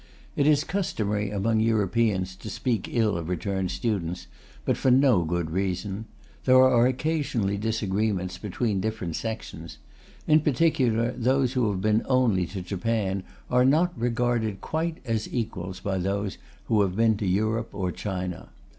It is customary among Europeans to speak ill of returned students, but for no good reason. There are occasionally disagreements between different sections; in particular, those who have been only to Japan are not regarded quite as equals by those who have been to Europe or America.